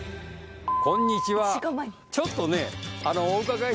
こんにちは。